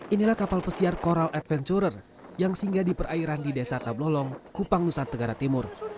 inilah kapal pesiar coral adventure yang singgah di perairan di desa tablolong kupang nusa tenggara timur